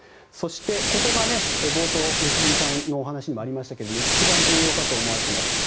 そして、ここが冒頭、良純さんのお話にもありましたが一番重要かと思われています